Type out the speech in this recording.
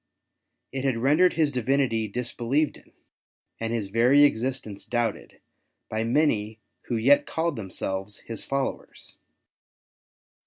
It had rendered His Divinity disbelieved in, and His very existence doubted, by ID any who yet called themselves His followers.